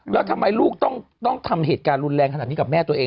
แล้วทำไมลูกต้องทำเหตุการณ์รุนแรงขนาดนี้กับแม่ตัวเอง